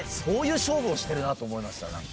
そういう勝負をしてるなと思いました。